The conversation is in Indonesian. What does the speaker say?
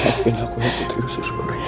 maafin aku ya putri